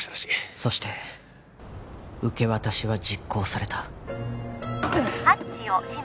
そして受け渡しは実行されたハッチを閉め